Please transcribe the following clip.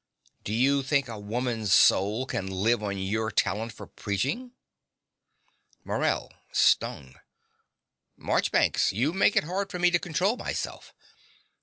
Do you think a woman's soul can live on your talent for preaching? MORELL (Stung). Marchbanks: you make it hard for me to control myself.